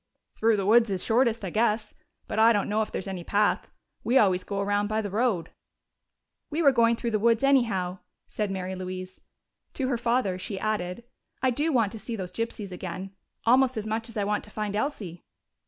"Through the woods is shortest, I guess. But I don't know if there's any path. We always go around by the road." "We were going through the woods anyhow," said Mary Louise. To her father she added, "I do want to see those gypsies again, almost as much as I want to find Elsie."